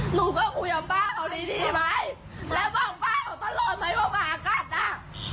หนูก็คุยกับป้าเขาดีดีไหมแล้วบอกป้าเขาตลอดไหมว่าหมากัดอ่ะ